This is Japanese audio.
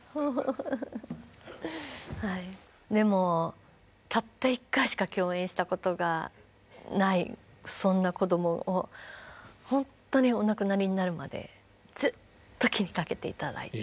でもたった一回しか共演したことがないそんな子どもをほんとにお亡くなりになるまでずっと気にかけて頂いて。